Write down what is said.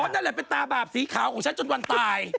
นั่นแหละเป็นตาบาปสีขาวของฉันจนวันตาย